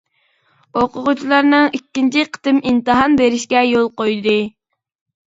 ئوقۇغۇچىلارنىڭ ئىككىنچى قېتىم ئىمتىھان بېرىشىگە يول قويدى.